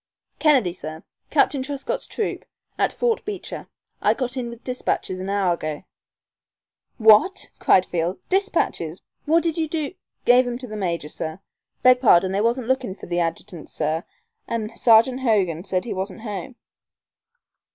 "Kennedy, sir. Captain Truscott's troop, at Fort Beecher. I got in with despatches an hour ago " "What!" cried Field. "Despatches! What did you do " "Gave 'em to the major, sir. Beg pardon; they was lookin' for the adjutant, sir, an' Sergeant Hogan said he wasn't home."